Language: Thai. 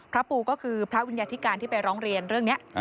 ปูก็คือพระวิญญาธิการที่ไปร้องเรียนเรื่องนี้